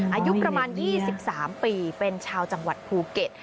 อายุประมาณ๒๓ปีเป็นชาวจังหวัดภูเก็ต